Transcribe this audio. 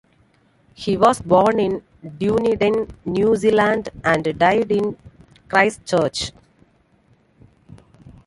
He was born in Dunedin, New Zealand and died in Christchurch.